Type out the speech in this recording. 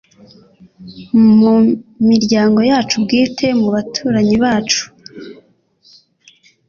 Mu miryango yacu bwite, mu baturanyi bacu,